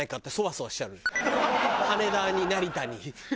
羽田に成田に。